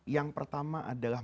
yang pertama adalah